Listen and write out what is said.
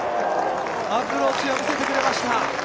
アプローチを見せてくれました。